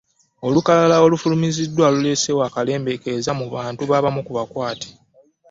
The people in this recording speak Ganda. Olukalala olufulumiziddwa luleeseewo akalembereza mu bantu b'abamu ku bakwate